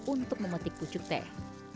untuk memetik pucuk teh